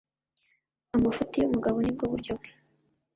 amafuti y'umugabo nibwo buryo bwe